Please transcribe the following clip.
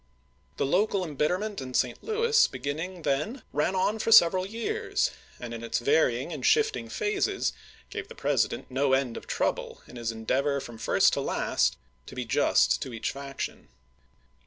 The local embitterment in St. Louis begin ning then ran on for several years, and in its vary ing and shifting phases gave the President no end of trouble in his endeavor from fii'st to last to be just to each faction.